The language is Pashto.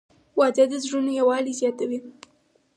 • واده د زړونو یووالی زیاتوي.